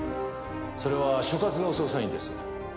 それは所轄の捜査員です。